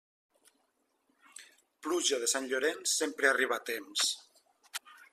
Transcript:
Pluja de Sant Llorenç, sempre arriba a temps.